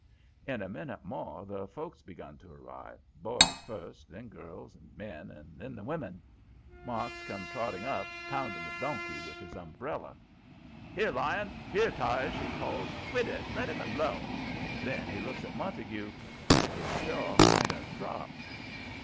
In a minute more the folks begun to arrive; boys first, then girls and men, and then the women. Marks came trotting up, pounding the donkey with his umbrella. "Here, Lion! Here, Tige!" he yells. "Quit it! Let him alone!" Then he looks at Montague, and his jaw kind of drops.